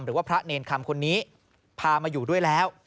หรือว่าพระเนรคำคนนี้พามาอยู่ด้วยแล้ว